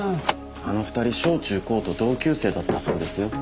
あの２人小中高と同級生だったそうですよ。